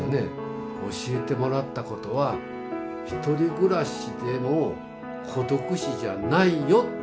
教えてもらったことはひとり暮らしでも孤独死じゃないよ。